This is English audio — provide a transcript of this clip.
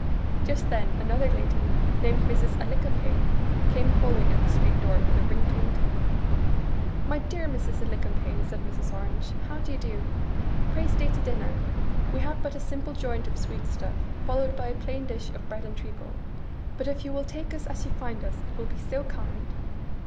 Just then another lady, named Mrs. Alicumpaine, came calling at the street door with a ring ting ting. 'My dear Mrs. Alicumpaine,' said Mrs. Orange, 'how do you do? Pray stay to dinner. We have but a simple joint of sweet stuff, followed by a plain dish of bread and treacle; but, if you will take us as you find us, it will be so kind!